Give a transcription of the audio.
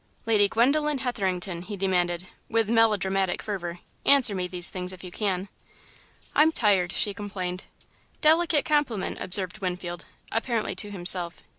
Lady Gwendolen Hetherington," he demanded, with melodramatic fervour, "answer me these things if you can!" "I'm tired," she complained. "Delicate compliment," observed Winfield, apparently to himself.